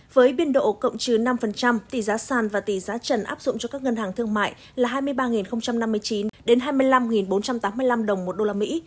với biên độ cộng trừ năm tỷ giá sàn và tỷ giá trần áp dụng cho các ngân hàng thương mại là hai mươi ba năm mươi chín hai mươi năm bốn trăm tám mươi năm đồng một đô la mỹ